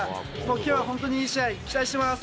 きょうは本当にいい試合、期待してます。